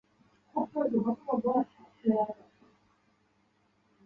颗粒标示的快速过程核合成同位素讯息是检验超新星爆炸模型的有用讯息。